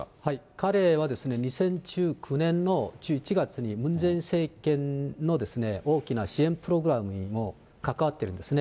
彼は２０１９年の１１月にムン・ジェイン政権の大きな支援プログラムにも関わってるんですね。